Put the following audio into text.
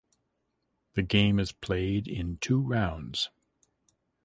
The game is played in two rounds.